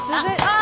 あ